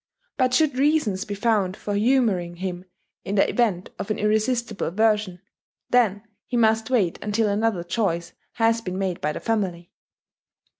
But should reasons be found for humouring him in the event of an irresistible aversion, then he must wait until another choice has been made by the family.